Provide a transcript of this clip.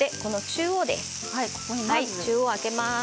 中央を空けます。